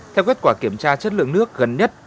theo kết quả kiểm tra chất lượng nước gần nhất